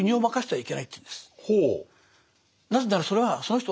はい。